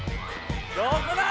どこだ？